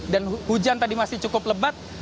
dan hujan tadi masih cukup lebat